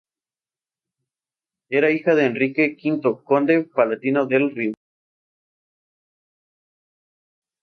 Era hija de Enrique V, conde palatino del Rin.